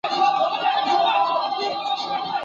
英里每小时。